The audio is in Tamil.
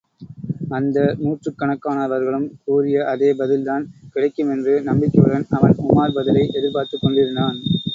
அந்த நூற்றுக் கணக்கானவர்களும் கூறிய அதே பதில்தான் கிடைக்குமென்று நம்பிக்கையுடன் அவன் உமார் பதிலை எதிர்பார்த்துக் கொண்டிருந்தான்.